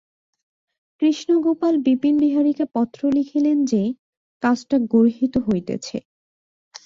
কৃষ্ণগোপাল বিপিনবিহারীকে পত্র লিখিলেন যে, কাজটা গর্হিত হইতেছে।